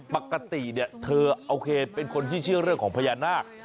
ปกติเนี่ยเธอโอเคเป็นคนที่เชื่อเรื่องของพญานาค